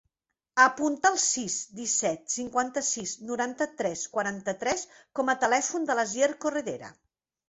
Apunta el sis, disset, cinquanta-sis, noranta-tres, quaranta-tres com a telèfon de l'Asier Corredera.